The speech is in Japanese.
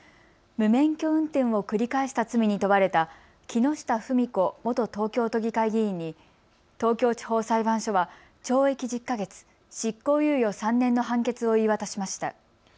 無免許運転を繰り返した罪に問われた木下富美子元東京都議会議員に東京地方裁判所は懲役１０か月、執行猶予３年の判決を言い渡しました。